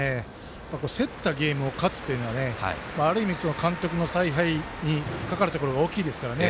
競ったゲームを勝つというのはある意味監督の采配にかかるところが大きいですからね。